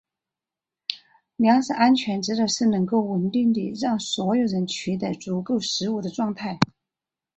粮食安全指的是能够稳定地让所有人取得足够食物的状态。